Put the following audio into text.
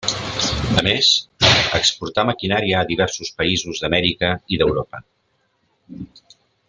A més, exportà maquinària a diversos països d'Amèrica i d'Europa.